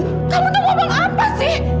kamu tuh ngomong apa sih